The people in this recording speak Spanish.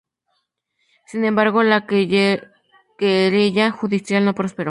Sin embargo, la querella judicial no prosperó.